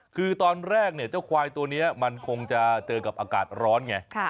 คือตอนแรกเนี่ยเจ้าควายตัวนี้มันคงจะเจอกับอากาศร้อนไง